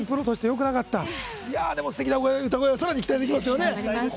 すてきな歌声、さらに期待できますよね。